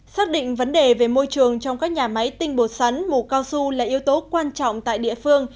xác định vấn đề về môi trường trong các nhà máy tinh bột sắn mù cao su là yếu tố quan trọng tại địa phương